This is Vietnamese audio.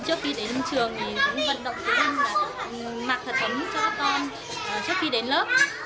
trước khi đến trường thì cũng vận động các em là mặc thật ấm cho các con trước khi đến lớp